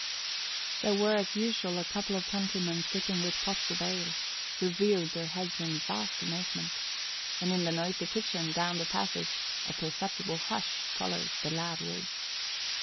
There were as usual a couple of countrymen sitting with pots of ale, who reared their heads in vast amazement, and in the noisy kitchen down the passage a perceptible hush followed the loud words.